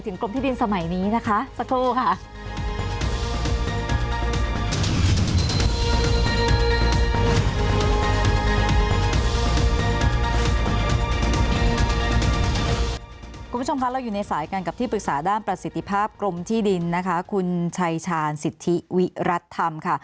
คุณผู้ชมคะเราอยู่ในสายกันกับที่ปรึกษาด้านประสิทธิภาพกรมที่ดินนะคะคุณชายชาญสิทธิวิรัติธรรมค่ะ